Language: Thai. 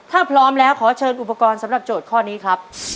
ถ้าพร้อมแล้วขอเชิญอุปกรณ์สำหรับโจทย์ข้อนี้ครับ